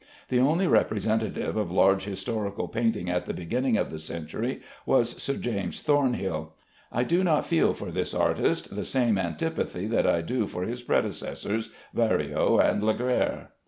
The only representative of large historical painting at the beginning of the century was Sir James Thornhill. I do not feel for this artist the same antipathy that I do for his predecessors, Verrio and Laguerre.